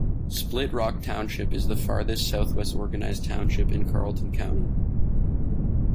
Split Rock Township is the farthest southwest organized township in Carlton County.